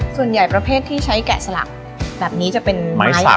ส่วนใหญ่ประเภทที่ใช้แกะสลักแบบนี้จะเป็นไม้อะไรคะ